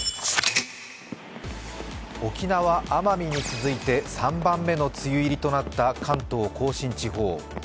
沖縄、奄美に続いて３番目の梅雨入りとなった関東甲信地方。